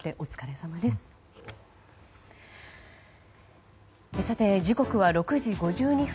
さて、時刻は６時５２分。